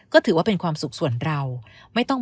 ก็ถือว่าเป็นความสุขส่วนเรา